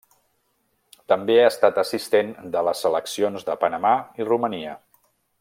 També ha estat assistent de les seleccions de Panamà i Romania.